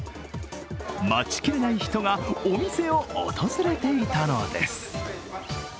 待ちきれない人がお店を訪れていたのです。